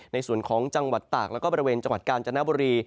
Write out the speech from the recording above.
ในส่วนของจังหวัดตากแล้วก็บริเวณจังหวัดกาญจนบุรี